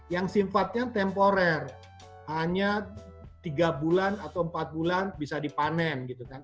yang sifatnya temporer hanya tiga bulan atau empat bulan bisa dipanen gitu kan